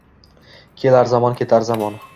Kelar zamon, ketar zamon